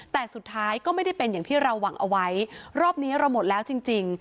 แต่สุดท้ายก็ไม่ได้เป็นอย่างที่เราหวังเอาไว้รอบนี้เราหมดแล้วจริงจริง